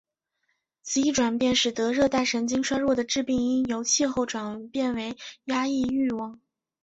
此一转变使得热带神经衰弱的致病因由气候转变为压抑欲望。